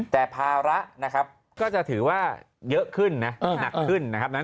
แต่ภาระนะครับก็จะถือว่าเยอะขึ้นนะหนักขึ้นนะครับ